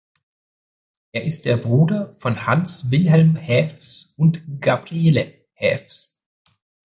Er ist der Bruder von Hanswilhelm Haefs und Gabriele Haefs.